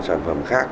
sản phẩm khác